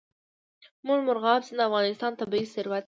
مورغاب سیند د افغانستان طبعي ثروت دی.